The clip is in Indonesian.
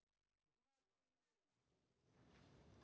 harus jessica kumala wongso